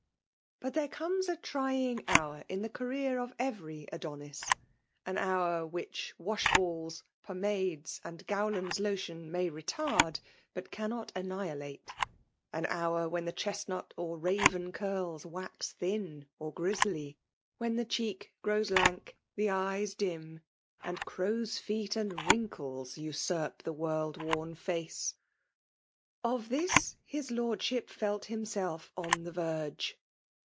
But there eomes a trying hour in the career of every Adonis ; an hour wfaieh washballs, pommades, and Goir* land*s lotion may retard, but cannot annihilate; an hour when the chestnut or raven curls wax thin or grizzly — ^when the cheek g^ows Isni; the eye dim, and crows* feet and wrinkles usurp the world worn face. Of this, his LordiUp §A himself on the verge.